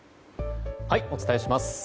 お伝えします。